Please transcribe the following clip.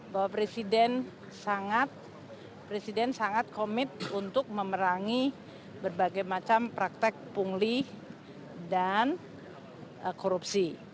bahwa presiden sangat presiden sangat komit untuk memerangi berbagai macam praktek pungli dan korupsi